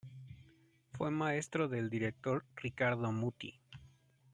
Fue maestro del director Riccardo Muti.